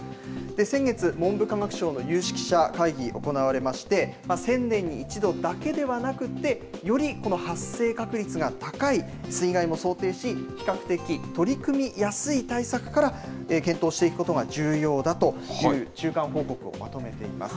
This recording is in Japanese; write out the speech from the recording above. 先月、文部科学省の有識者会議、行われまして、１０００年に１度だけではなくて、より発生確率が高い水害も想定し、比較的取り組みやすい対策から検討していくことが重要だという中間報告をまとめています。